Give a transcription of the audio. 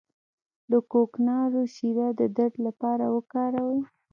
د کوکنارو شیره د درد لپاره وکاروئ